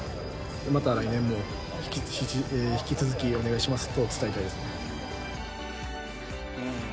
また来年も引き続き、お願いしますと伝えたいです。